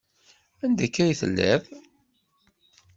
Anda akka ay telliḍ?